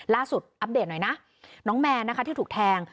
อัปเดตหน่อยนะน้องแมนนะคะที่ถูกแทง